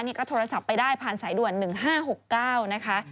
นี่ก็โทรศัพท์ไปได้ผ่านสายด่วน๑๕๖๙นะคะ